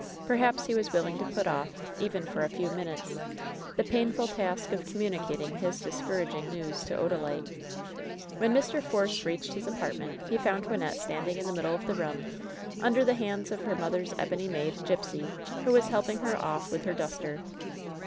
Perhaps he was willing to put off, even for a few minutes, the pain ful task of communicating his discouraging news to Odalite. When Mr. Force reached his apartment he found Wynnette standing in the middle of the room, under the hatids of her mother's ebony maid, Gipsy, who was helping her off with her duster.